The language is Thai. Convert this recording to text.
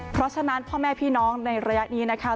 เพราะฉะนั้นพ่อแม่พี่น้องในระยะนี้นะคะ